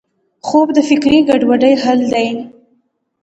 خوب د فکري ګډوډۍ حل دی